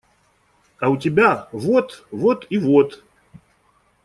А у тебя – вот… вот… и вот…